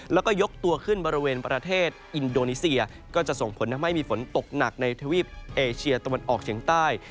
แล้วก็ยกตัวขึ้นบริเวณประเทศอินโดนีเซียก็จะส่งผลทำให้มีฝนตกหนักในทวีปเอเชียตะวันออกเฉียงใต้